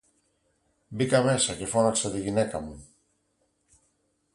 Μπήκα μέσα και φώναξα τη γυναίκα μου